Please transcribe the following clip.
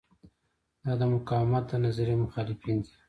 دا د مقاومت د نظریې مخالفین دي.